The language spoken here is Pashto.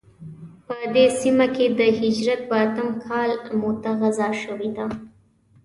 په دې سیمه کې د هجرت په اتم کال موته غزا شوې ده.